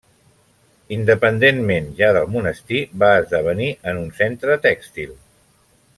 Independentment ja del monestir, va esdevenir en un centre tèxtil.